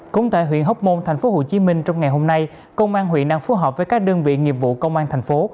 cũng tại huyện hóc môn tp hcm trong ngày hôm nay công an huyện đang phối hợp với các đơn vị nghiệp vụ công an thành phố